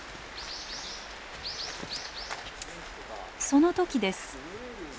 その時です。